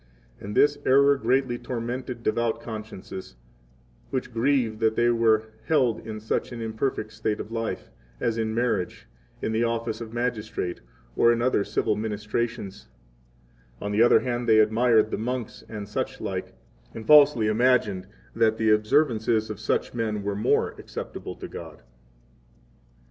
And this error greatly tormented 11 devout consciences, which grieved that they were held in an imperfect state of life, as in marriage, in the office of magistrate; or in other civil ministrations; on the other hand, they admired the monks and such like, and falsely imagined that the observances of such men were more acceptable to God.